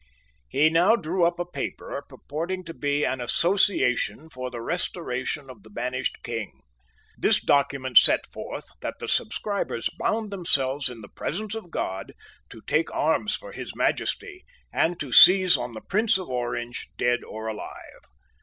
He now drew up a paper purporting to be an Association for the Restoration of the banished King. This document set forth that the subscribers bound themselves in the presence of God to take arms for His Majesty, and to seize on the Prince of Orange, dead or alive.